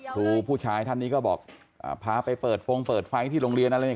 ครูผู้ชายท่านนี้ก็บอกพาไปเปิดฟงเปิดไฟที่โรงเรียนอะไรเนี่ย